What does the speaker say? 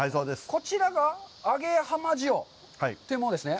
こちらが揚げ浜塩というものですね？